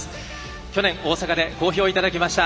去年、大阪で好評いただきました